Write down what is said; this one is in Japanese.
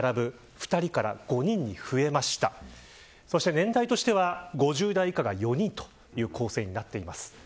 年代としては５０代以下が４人という構成です。